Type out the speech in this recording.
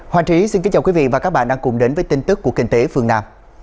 hoàng trí xin kính chào quý vị và các bạn đang cùng đến với tin tức của kinh tế phương nam